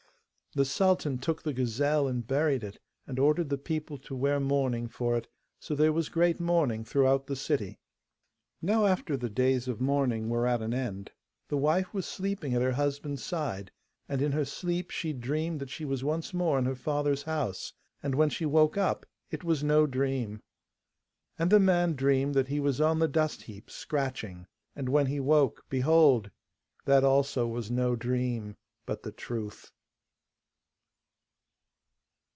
The sultan took the gazelle and buried it, and ordered the people to wear mourning for it, so there was great mourning throughout the city. Now after the days of mourning were at an end, the wife was sleeping at her husband's side, and in her sleep she dreamed that she was once more in her father's house, and when she woke up it was no dream. And the man dreamed that he was on the dust heap, scratching. And when he woke, behold! that also was no dream, but the truth.